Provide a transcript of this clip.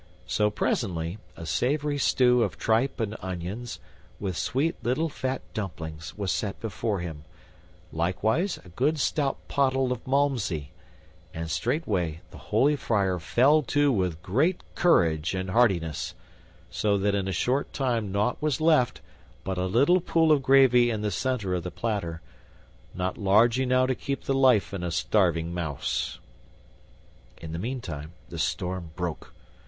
So presently a savory stew of tripe and onions, with sweet little fat dumplings, was set before him, likewise a good stout pottle of Malmsey, and straightway the holy friar fell to with great courage and heartiness, so that in a short time nought was left but a little pool of gravy in the center of the platter, not large enow to keep the life in a starving mouse. In the meantime the storm broke.